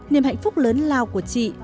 niềm hạnh phúc lớn lao của chị